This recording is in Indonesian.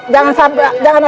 jangan sampai ada yang lupa ya